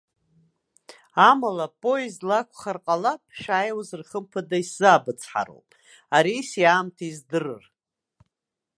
Амала, поездла акәхар ҟалап, шәааиуазар хымԥада исзаабыцҳароуп, ареиси аамҭеи здырыр.